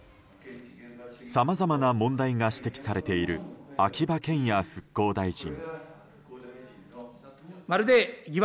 さまざまな問題が指摘されている秋葉賢也復興大臣。